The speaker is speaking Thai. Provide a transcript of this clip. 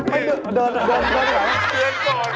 เดินก่อนแฟนผมนะครับ